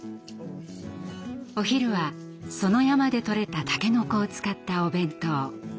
お昼はその山でとれたたけのこを使ったお弁当。